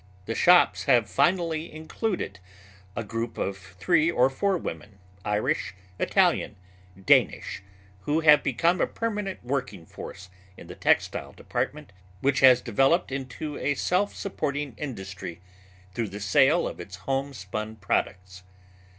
The shops have finally included a group of three or four women, Irish, Italian, Danish, who have become a permanent working force in the textile department which has developed into a self supporting industry through the sale of its homespun products.